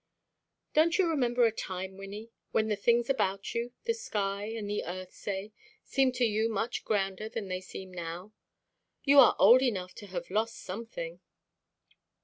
"Don't you remember a time, Wynnie, when the things about you the sky and the earth, say seemed to you much grander than they seem now? You are old enough to have lost something."